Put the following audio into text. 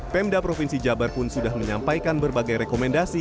pemda provinsi jabar pun sudah menyampaikan berbagai rekomendasi